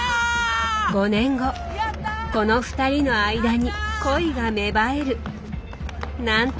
５年後この２人の間に恋が芽生える。なんて